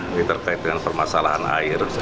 ini terkait dengan permasalahan air